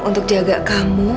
untuk jaga kamu